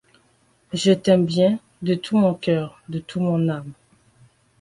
Je t'aime bien de tout mon coeur, de toute mon âme.